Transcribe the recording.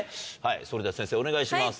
それでは先生お願いします。